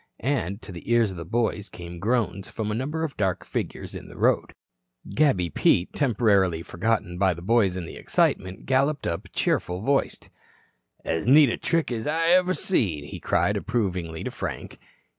And to the ears of the boys came groans from a number of dark figures in the road. Gabby Pete, temporarily forgotten by the boys in the excitement, galloped up, cheerful voiced. "As neat a trick as ever I see," he cried approvingly to Frank.